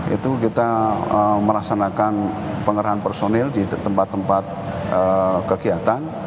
itu kita melaksanakan pengerahan personil di tempat tempat kegiatan